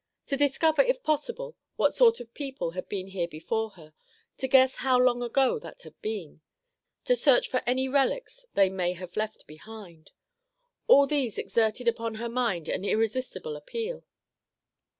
To discover if possible what sort of people had been here before her; to guess how long ago that had been; to search for any relics they may have left behind—all these exerted upon her mind an irresistible appeal.